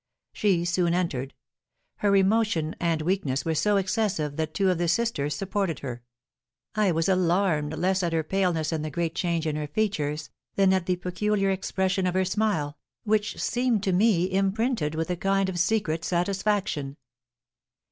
She soon entered; her emotion and weakness were so excessive that two of the sisters supported her. I was alarmed, less at her paleness and the great change in her features, than at the peculiar expression of her smile, which seemed to me imprinted with a kind of secret satisfaction.